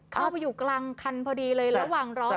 เข้าไปอยู่กลางคันพอดีเลยระหว่างรอ